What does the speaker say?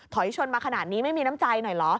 ชนมาขนาดนี้ไม่มีน้ำใจหน่อยเหรอ